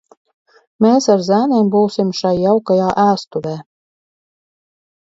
Mēs ar zēniem būsim šai jaukajā ēstuvē!